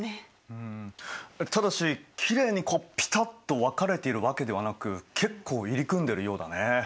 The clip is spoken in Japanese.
うんただしきれいにピタッと分かれているわけではなく結構入り組んでるようだね。